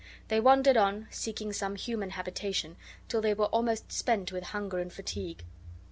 They wandered on, seeking some human habitation, till they were almost spent with hunger and fatigue.